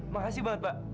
makasih banget pak